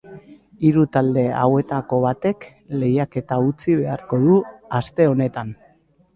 Hiru talde hauetako batek lehiaketa utzi beharko du aste honetan.